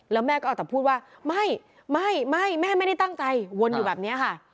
แล้วแม่ก็เอาแต่พูดว่าไม่ไม่แม่ไม่ได้ตั้งใจวนอยู่แบบนี้ค่ะ